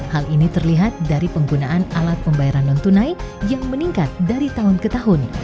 hal ini terlihat dari penggunaan alat pembayaran non tunai yang meningkat dari tahun ke tahun